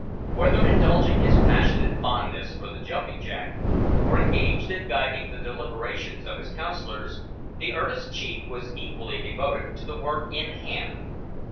Whether indulging his passionate fondness for the jumping jack, or engaged in guiding the deliberations of his counsellors, the earnest chief was equally devoted to the work in hand.